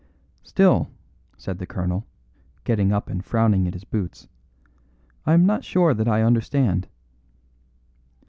"Still," said the colonel, getting up and frowning at his boots, "I am not sure that I understand."